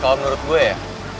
kalau menurut gue ya